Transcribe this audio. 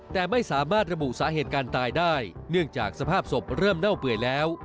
แต่ไม่สามารถระบุสาเหตุการตายได้เนื่องจากสภาพศพเริ่มเน่าเปื่อยแล้ว